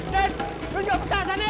hei ditunjuk petasan nih